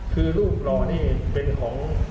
คือรูปหล่อนี่เป็นของ